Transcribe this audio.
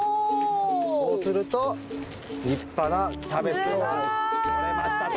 こうすると立派なキャベツがとれましたと。